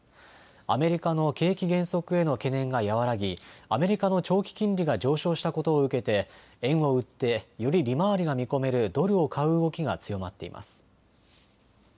アメリカの景気減速への懸念が和らぎアメリカの長期金利が上昇したことを受けて円を売ってより利回りが見込めるドルを買う動きが強まっています。